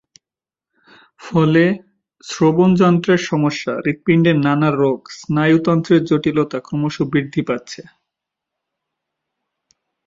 ফলে শ্রবণযন্ত্রের সমস্যা, হৃদপিন্ডের নানা রোগ, স্নায়ুতন্ত্রের জটিলতা ক্রমশ বৃদ্ধি পাচ্ছে।